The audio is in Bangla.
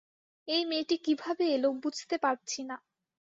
এই মেয়েটি কীভাবে এল বুঝতে পারছিনা।